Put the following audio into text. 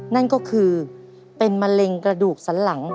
นั่นก็คือเป็นมะเร็งกระดูกสันหลัง